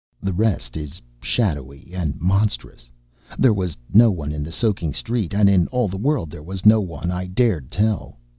The rest is shadowy and monstrous. There was no one in the soaking street, and in all the world there was no one I dared tell.